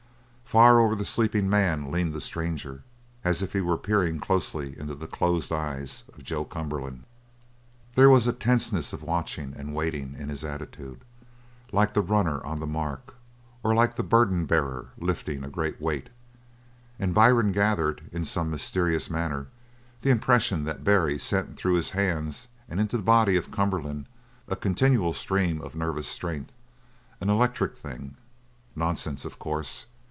Far over the sleeping man leaned the stranger, as if he were peering closely into the closed eyes of Joe Cumberland. There was a tenseness of watching and waiting in his attitude, like the runner on the mark, or like the burden bearer lifting a great weight, and Byrne gathered, in some mysterious manner, the impression that Barry sent through his hands and into the body of Cumberland a continual stream of nervous strength an electric thing. Nonsense, of course.